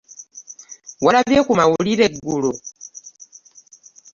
Walabye ku mawulire eggulo.